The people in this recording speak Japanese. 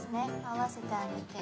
合わせてあげて。